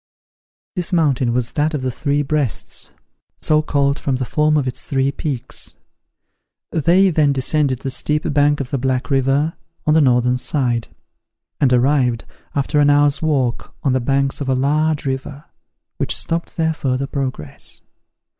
This mountain was that of the Three Breasts, so called from the form of its three peaks. They then descended the steep bank of the Black River, on the northern side; and arrived, after an hour's walk, on the banks of a large river, which stopped their further progress.